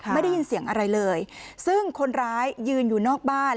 ไม่ได้ยินเสียงอะไรเลยซึ่งคนร้ายยืนอยู่นอกบ้าน